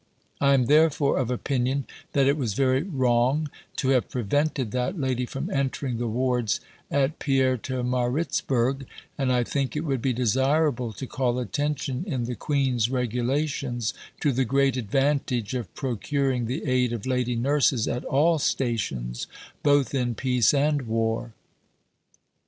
I am therefore of opinion that it was very wrong to have prevented that lady from entering the wards at Pietermaritzburg, and I think it would be desirable to call attention in the Queen's Regulations to the great advantage of procuring the aid of lady nurses at all stations, both in peace and war."